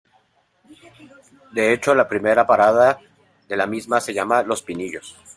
De hecho, la primera parada de la misma se llama ""Los Pinillos"".